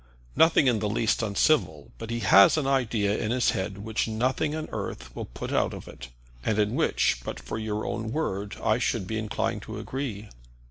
"Nothing in the least uncivil; but he has an idea in his head which nothing on earth will put out of it, and in which, but for your own word, I should be inclined to agree."